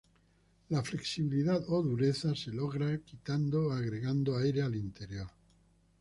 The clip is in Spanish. La flexibilidad o dureza se logra quitando o agregando aire al interior.